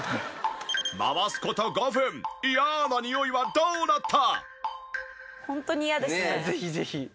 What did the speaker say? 回す事５分嫌なにおいはどうなった？